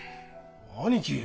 兄貴。